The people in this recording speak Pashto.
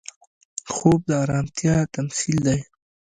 خوب د ارامتیا تمثیل دی